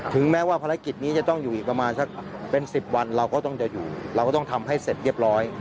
แม้ว่าภารกิจนี้จะต้องอยู่อีกประมาณสักเป็น๑๐วันเราก็ต้องจะอยู่เราก็ต้องทำให้เสร็จเรียบร้อย